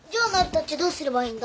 たちどうすればいいんだ？